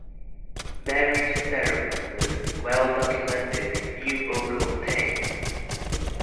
Marriage ceremony was well documented in New Book of Tang.